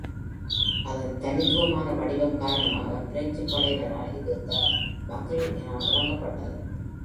அதன் தனித்துவமான வடிவம் காரணமாக பிரெஞ்சுப் படையினரால் இது “The Bugle” என வழங்கப்பட்டது.